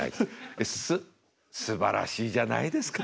で「すすばらしいじゃないですか皆さん。